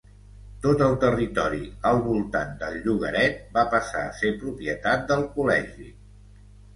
Tot el territori al voltant del llogaret va passar a ser propietat del col·legi.